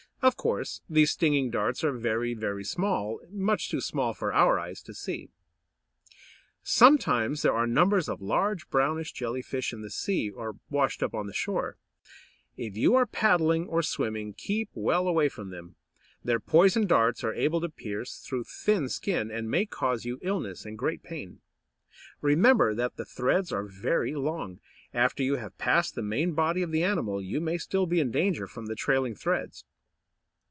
Of course these stinging darts are very, very small, much too small for our eyes to see. Sometimes there are numbers of large brownish Jelly fish in the sea, or washed up on the shore. If you are paddling or swimming, keep well away from them. Their poison darts are able to pierce through thin skin, and may cause you illness and great pain. Remember that the threads are very long; after you have passed the main body of the animal, you may still be in danger from the trailing threads.